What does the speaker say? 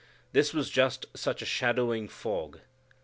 This was just such a shadowing fog.